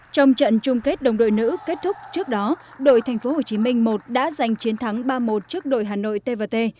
trong trận chung kết đồng đội nữ kết thúc trước đó đội tp hcm một đã giành chiến thắng ba một trước đội hà nội t và t